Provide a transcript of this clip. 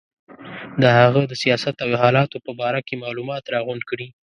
د هغه د سیاست او حالاتو په باره کې معلومات راغونډ کړي.